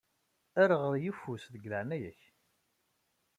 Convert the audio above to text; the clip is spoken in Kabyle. Err ɣer yeffus, deg leɛnaya-k.